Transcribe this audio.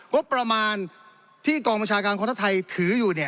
งบประมาณที่กองประชาการของทะไทยถืออยู่